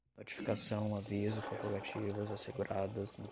notificação, aviso, prerrogativas, asseguradas, notícia-crime